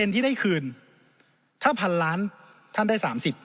ที่ได้คืนถ้าพันล้านท่านได้๓๐